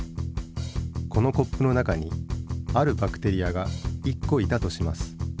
このコップの中にあるバクテリアが１個いたとします。